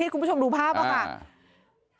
เห็นคุณผู้ชมดูภาพหรือเปล่าค่ะ